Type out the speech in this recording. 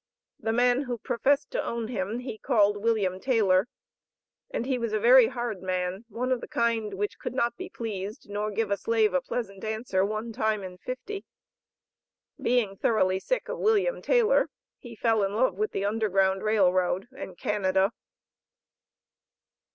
The man who professed to own him he called William Taylor, and "he was a very hard man, one of the kind which could not be pleased, nor give a slave a pleasant answer one time in fifty." Being thoroughly sick of William Taylor, he fell in love with the Underground Rail Road and Canada.